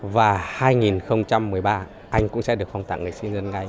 và hai nghìn một mươi ba anh cũng sẽ được phong tặng nghệ sĩ nhân dân ngay